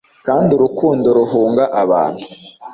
Kandi urukundo ruhunga abantu